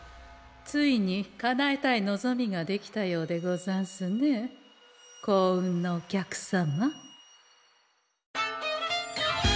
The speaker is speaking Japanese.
ついにかなえたい望みができたようでござんすね幸運のお客様。